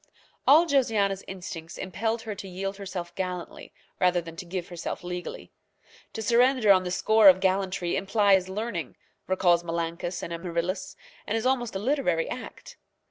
All Josiana's instincts impelled her to yield herself gallantly rather than to give herself legally. To surrender on the score of gallantry implies learning, recalls Menalcas and Amaryllis, and is almost a literary act.